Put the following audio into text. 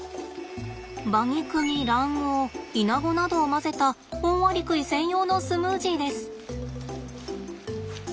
馬肉に卵黄イナゴなどを混ぜたオオアリクイ専用のスムージーです。